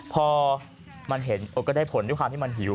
พอมันเห็นก็ได้ผลด้วยความที่มันหิว